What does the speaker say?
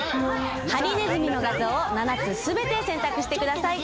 ハリネズミの画像を７つ全て選択してください。